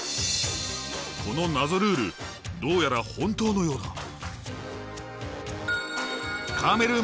この謎ルールどうやら本当のようだ。